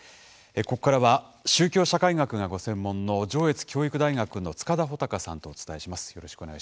ここからは宗教社会学がご専門の上越教育大学の塚田穂高さんとお伝えします。